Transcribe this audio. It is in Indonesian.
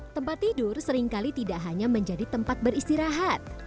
tempat tidur seringkali tidak hanya menjadi tempat beristirahat